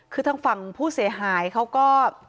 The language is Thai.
คือทางฝั่งผู้เสียหายเขาก็